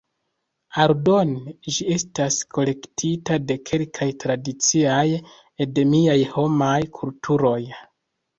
Aldone, ĝi estas kolektita de kelkaj tradiciaj endemiaj homaj kulturoj.